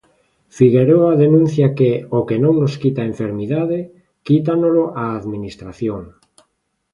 Figueroa denuncia que "o que non nos quita a enfermidade, quítanolo a administración".